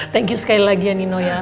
thank you sekali lagi anino ya